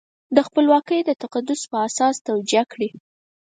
د خپلواکۍ د تقدس په اساس توجیه کړي.